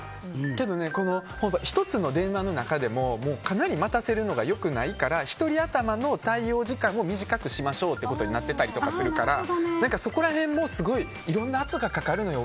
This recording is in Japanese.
けどね、１つの電話の中でもかなり待たせるのが良くないから１人頭の対応時間を短くしましょうとなってたりするからそこら辺もいろんな圧がかかるのよ